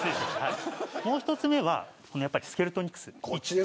もう１つ目はスケルトニクス。